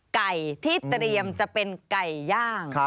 ไก่ที่เตรียมจะเป็นไก่ย่าง